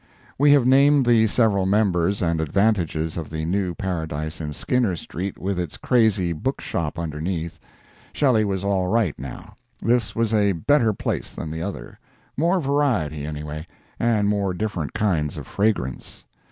We have named the several members and advantages of the new paradise in Skinner Street, with its crazy book shop underneath. Shelley was all right now, this was a better place than the other; more variety anyway, and more different kinds of fragrance.